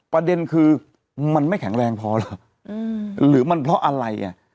ประเด็นคือมันไม่แข็งแรงพอเหรอหรือมันเพราะอะไรอ่ะ